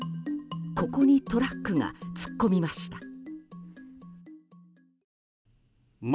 ここにトラックが突っ込みました。